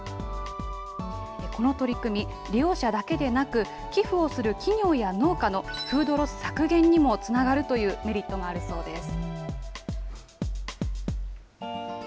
この取り組み、利用者だけでなく、寄付をする企業や農家のフードロス削減にもつながるというメリットもあるそうです。